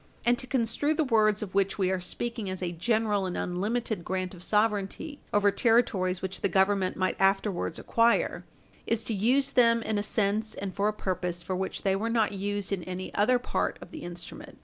And to construe the words of which we are speaking as a general and unlimited grant of sovereignty over territories which the Government might afterwards acquire is to use them in a sense and for a purpose for which they were not used in any other part of the instrument.